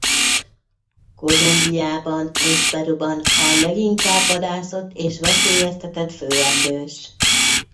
Kolumbiában és Peruban a leginkább vadászott és veszélyeztetett főemlős.